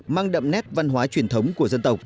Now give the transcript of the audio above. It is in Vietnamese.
mang đậm nét văn hóa truyền thống của dân tộc